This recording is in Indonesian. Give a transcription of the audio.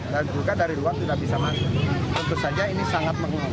dan juga dari luar tidak bisa masuk